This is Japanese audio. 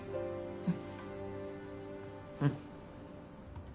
うん。